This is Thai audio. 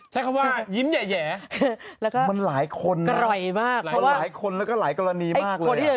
เราก็มองหน้ามึงทีก็แบบ